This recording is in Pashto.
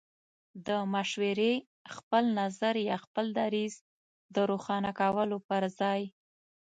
د مشورې، خپل نظر يا خپل دريځ د روښانه کولو پر ځای